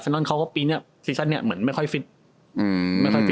ตอนเวลาที่ที่เรื่องอาเซจนอน